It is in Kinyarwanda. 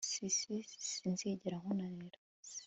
s sinzigera nkunanira